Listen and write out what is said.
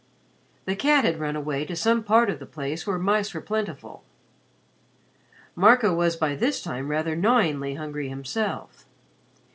The cat had run away to some part of the place where mice were plentiful. Marco was by this time rather gnawingly hungry himself.